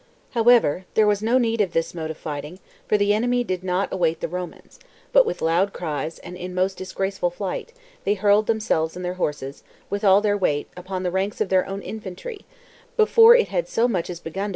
However, there was no need. of this mode of fighting, for the enemy didnot await the Romans, but, with loud cries and in most disgraceful, flight, they hurled. themselves and. their horses, with all their weight, upon the ranks of their own infantry, before it had so much as begun.